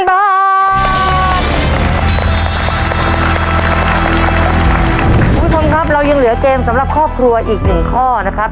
คุณผู้ชมครับเรายังเหลือเกมสำหรับครอบครัวอีกหนึ่งข้อนะครับ